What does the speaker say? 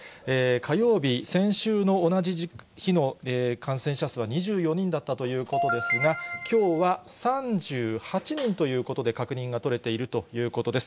火曜日、先週の同じ日の感染者数は２４人だったということですが、きょうは３８人ということで確認が取れているということです。